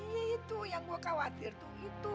itu yang gue khawatir tuh itu